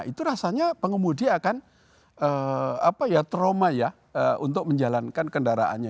itu rasanya pengemudi akan trauma ya untuk menjalankan kendaraannya